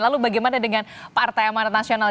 lalu bagaimana dengan partai amanat nasional